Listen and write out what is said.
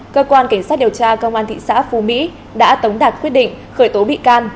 cơ quan cảnh sát điều tra công an thị xã phú mỹ đã tống đạt quyết định khởi tố bị can